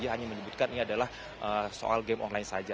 hanya menyebutkan ini adalah soal game online saja